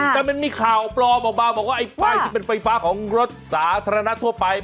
แต่มันมีข่าวปลอมออกมาบอกว่าไอ้ป้ายที่เป็นไฟฟ้าของรถสาธารณะทั่วไป